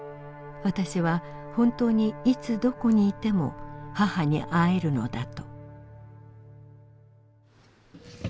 私は本当にいつどこにいても母に会えるのだと」。